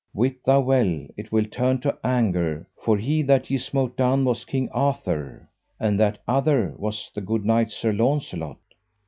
Wit thou well it will turn to anger, for he that ye smote down was King Arthur, and that other was the good knight Sir Launcelot.